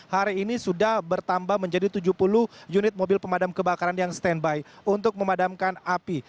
hari ini sudah bertambah menjadi tujuh puluh unit mobil pemadam kebakaran yang standby untuk memadamkan api